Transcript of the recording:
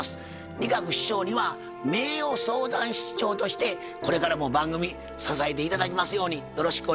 仁鶴師匠には名誉相談室長としてこれからも番組支えて頂きますようによろしくお願い申し上げます。